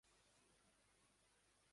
スペックアップで実用性が増した